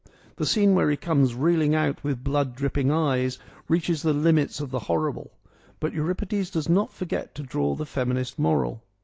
The scene where he comes reeling out with blood dripping eyes reaches the limits of the horrible, but Euripides does not forget to draw the feminist moral.